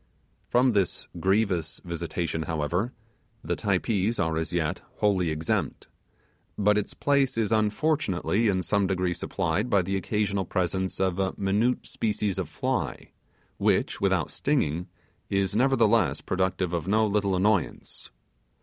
From this grievous visitation, however the Typees are as yet wholly exempt; but its place is unfortunately in some degree supplied by the occasional presence of a minute species of fly, which, without stinging, is nevertheless productive of no little annoyance.